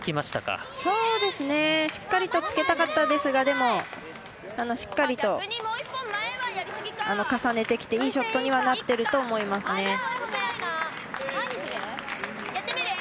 しっかりとつけたかったですがでも、しっかりと重ねてきていいショットにはなってると思いますね。